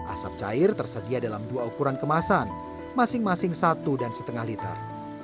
asap cair tersedia dalam dua ukuran kemasan masing masing satu dan setengah liter